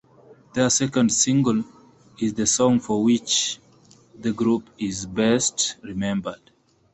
Their second single is the song for which the group is best remembered.